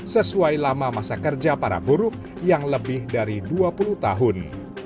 sesuai lama masa kerja para buruh yang lebih dari dua puluh tahun